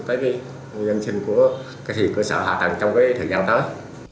tới nhân sinh của cơ sở hạ tầng trong thời gian tới